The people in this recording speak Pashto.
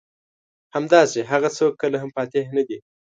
همداسې هغه څوک کله هم فاتح نه دي.